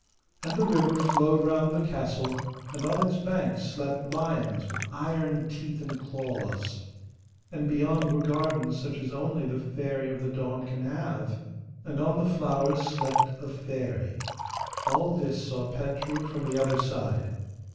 And the river flowed round the castle, and on its banks slept lions with iron teeth and claws; and beyond were gardens such as only the Fairy of the Dawn can have, and on the flowers slept a fairy! All this saw Petru from the other side.